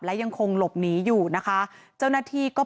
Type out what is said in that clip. ปี๖๕วันเกิดปี๖๔ไปร่วมงานเช่นเดียวกัน